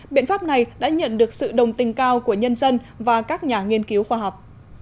công an tp hcm đã nhận được sự đồng tình cao của nhân dân và các nhà nghiên cứu khoa học